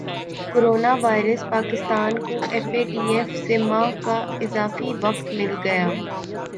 corona virus Pakistan کو F A T F سے ماہ کا اضافی وقت مل گیا